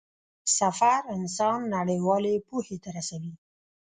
سفر انسان نړيوالې پوهې ته رسوي.